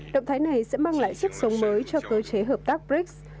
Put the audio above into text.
động thái này sẽ mang lại sức sống mới cho cơ chế hợp tác brics